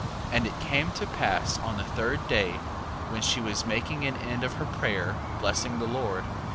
3:12. And it came to pass on the third day when she was making an end of her prayer, blessing the Lord, 3:13.